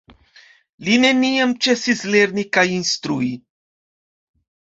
Li neniam ĉesis lerni kaj instrui.